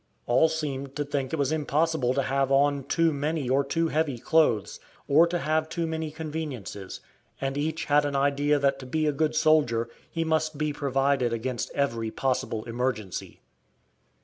All seemed to think it was impossible to have on too many or too heavy clothes, or to have too many conveniences, and each had an idea that to be a good soldier he must be provided against every possible emergency.